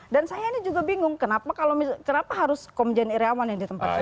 dan saya ini juga bingung kenapa harus komjen irawan yang ditempatkan